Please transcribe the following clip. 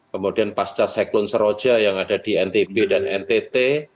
kemudian pasca seklun seroja yang ada di ntb dan ntt